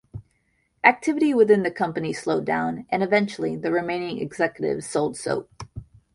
Activity within the company slowed down, and eventually, the remaining executives sold Soap.